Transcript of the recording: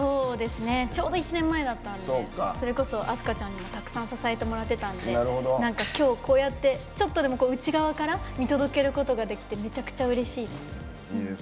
ちょうど１年前だったのでそれこそ飛鳥ちゃんにもたくさん支えてもらってたので今日、こうやってちょっとでも内側から見届けることができてめちゃくちゃうれしい。